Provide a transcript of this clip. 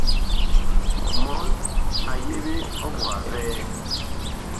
Mɔɔn a yeɓe ɔvuha vɛɛ.